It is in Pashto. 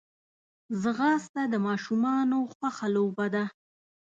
ځغاسته د ماشومانو خوښه لوبه ده